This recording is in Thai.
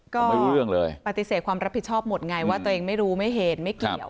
ไม่รู้เรื่องเลยปฏิเสธความรับผิดชอบหมดไงว่าตัวเองไม่รู้ไม่เห็นไม่เกี่ยว